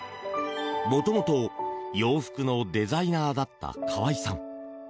もともと洋服のデザイナーだった河合さん。